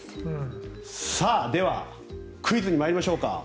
さあ、ではクイズに参りましょうか。